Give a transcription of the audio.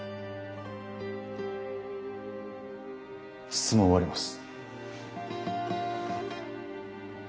質問を終わります。